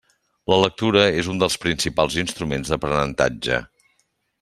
La lectura és un dels principals instruments d'aprenentatge.